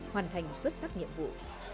hoàn thành xuất sắc nhiệm vụ